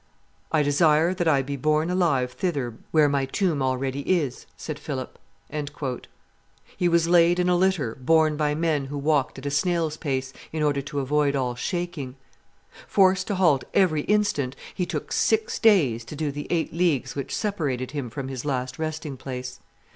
'I desire that I be borne alive thither where my tomb already is,' said Philip." He was laid in a litter borne by men who walked at a snail's pace, in order to avoid all shaking. Forced to halt every instant, he took six days to do the eight leagues which separated him from his last resting place.